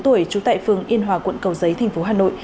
bốn mươi bốn tuổi trú tại phường yên hòa quận cầu giấy thành phố hà nội